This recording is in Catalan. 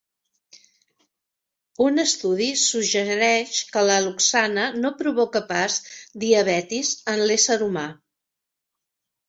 Un estudi suggereix que l'al·loxana no provoca pas diabetis en l'ésser humà.